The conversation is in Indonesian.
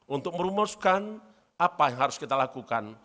untuk merumuskan apa yang harus kita lakukan